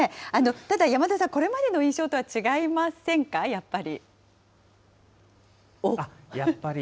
ただ山田さん、これまでの印象とは違いませんか、やっぱり。